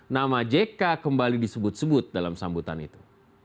nama jk kembali disebut sebut dalam sambutan itu